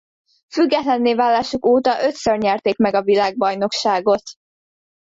Függetlenné válásuk óta ötször nyerték meg a világbajnokságot.